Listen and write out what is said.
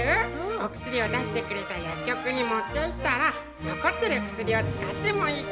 お薬を出してくれた薬局に持っていったら残ってる薬を使ってもいいか